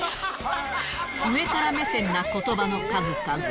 上から目線なことばの数々。